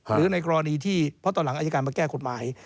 หรือในกรณีที่เพราะตอนหลังอายการมาแก้กฎหมาย